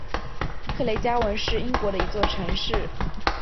克雷加文是英国的一座城市。